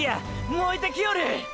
燃えてきよる！！